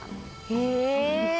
へえ！